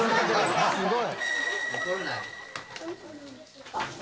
すごい！